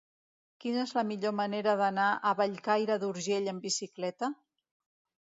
Quina és la millor manera d'anar a Bellcaire d'Urgell amb bicicleta?